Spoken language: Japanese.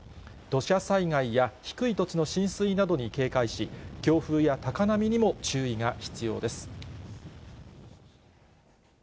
土砂災害や低い土地の浸水などに警戒し、強風や高波にも注意が必要です。